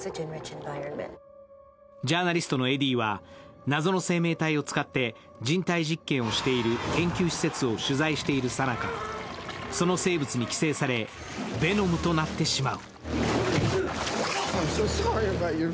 ジャーナリストのエディは謎の生命体を使って人体実験をしている研究施設を取材しているさなかその生物に寄生されヴェノムとなってしまう。